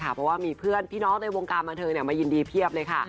เพราะว่ามีเพื่อนพี่น้องในวงการบันเทิงมายินดีเพียบเลยค่ะ